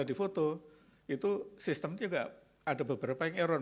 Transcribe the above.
itu sistemnya enggak ada beberapa yang error